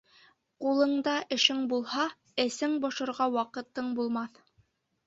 Ҡулында эшең булһа, эсең бошорға ваҡытың булмаҫ.